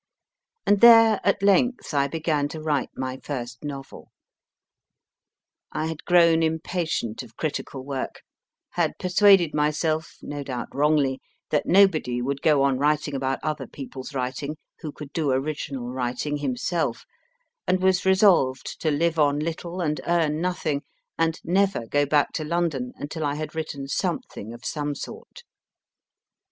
And there, at length, I began to write my first novel. I had grown im patient of critical work, had persuaded myself (no doubt wrongly) that nobody would go on writing about other people s writing who could do original writing himself, and was resolved to live on little and earn nothing, and never go back to London until I had written something of some sort.